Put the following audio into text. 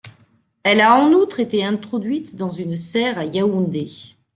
Elle a en outre été introduite dans une serre à Yaoundé.